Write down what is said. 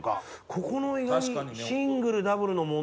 ここの意外に。